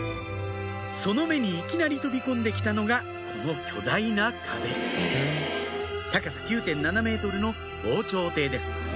その目にいきなり飛び込んで来たのがこの巨大な壁高さ９．７ｍの防潮堤です